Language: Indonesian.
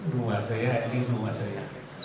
rumah saya ini rumah saya